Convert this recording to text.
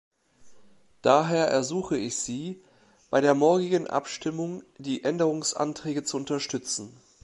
Daher ersuche ich Sie, bei der morgigen Abstimmung die Änderungsanträge zu unterstützen.